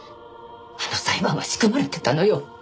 あの裁判は仕組まれてたのよ。